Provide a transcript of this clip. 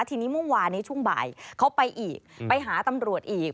ทีนี้เมื่อวานนี้ช่วงบ่ายเขาไปอีกไปหาตำรวจอีก